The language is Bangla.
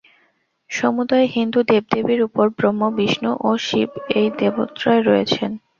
সমুদয় হিন্দু দেবদেবীর উপর ব্রহ্ম, বিষ্ণু ও শিব এই দেবত্রয় রয়েছেন।